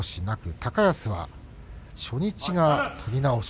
高安は初日が取り直し。